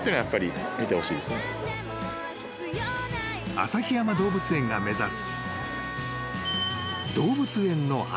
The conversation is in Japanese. ［旭山動物園が目指す］